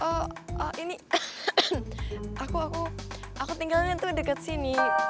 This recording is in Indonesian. eee ini aku aku aku tinggalnya tuh dekat sini ee disini